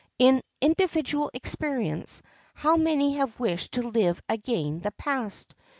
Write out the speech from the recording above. In individual experience how many have wished to live again the past?